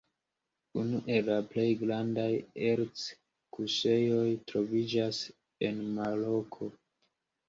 Unu el la plej grandaj erc-kuŝejoj troviĝas en Maroko.